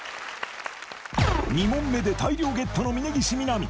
２問目で大量ゲットの峯岸みなみ